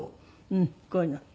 うんこういうの？